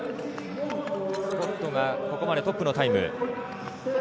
スコットがここまでトップのタイム。